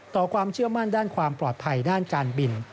ความเชื่อมั่นด้านความปลอดภัยด้านการบิน